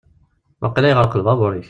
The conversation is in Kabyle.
Waqila yeɣreq lbabur-ik.